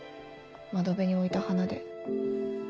窓辺に置いた花で。